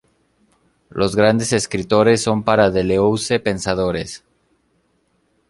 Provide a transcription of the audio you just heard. Los grandes escritores son para Deleuze pensadores.